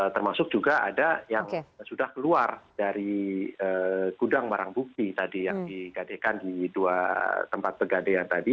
termasuk juga ada yang sudah keluar dari gudang barang bukti tadi yang digadekan di dua tempat pegadean tadi